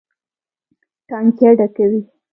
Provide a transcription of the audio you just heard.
ټانکۍ ډکوي.